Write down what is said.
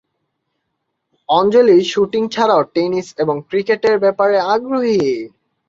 অঞ্জলি shooting ছাড়াও tennis এবং ক্রিকেটের ব্যাপারে আগ্রহী।